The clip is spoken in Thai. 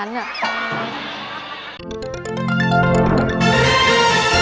โปรดติดตามตอนต่อไป